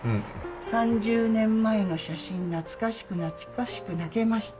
「三十年前の写真なつかしくなつかしく泣けました」